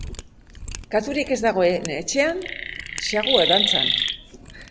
Katurik ez dagoen etxean saguak dantzan.